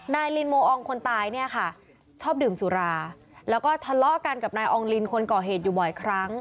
ลินโมอองคนตายเนี่ยค่ะชอบดื่มสุราแล้วก็ทะเลาะกันกับนายอองลินคนก่อเหตุอยู่บ่อยครั้ง